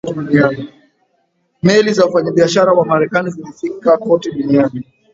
Meli za wafanyabiashara wa Marekani zilifika kote duniani